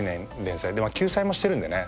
休載もしてるんでね